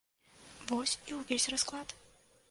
Вось і ўвесь расклад!